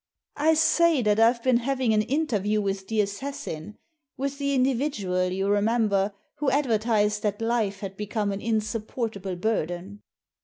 " I say that I've been having an interview with the assassin, with the individual, you remember, who advertised that life had become an insupportable burden."